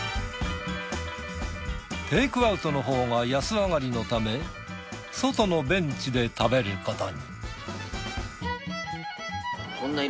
テイクアウトのほうが安あがりのため外のベンチで食べることに。